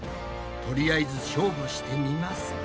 とりあえず勝負してみますか。